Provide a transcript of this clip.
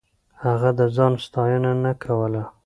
هغه د ځان ستاينه نه کوله.